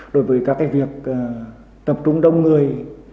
đối với các cái việc tập trung đông người